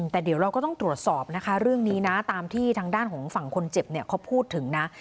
แต่เดี๋ยวเราก็ต้องตรวจสอบนะคะเรื่องนี้นะตามที่ทางด้านของฝั่งคนเจ็บเนี่ยเขาพูดถึงนะ